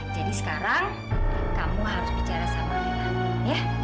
jadi sekarang kamu harus bicara sama alena ya